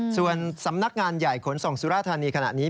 ส่วนสำนักงานใหญ่ขนส่งสุราธานีขณะนี้